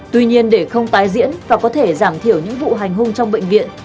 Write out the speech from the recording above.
tuy nhiên để không tái diễn và có thể giảm thiểu những vụ hành hung trong bệnh viện